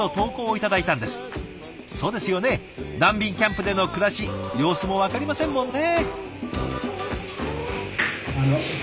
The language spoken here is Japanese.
そうですよね難民キャンプでの暮らし様子もわかりませんもんね。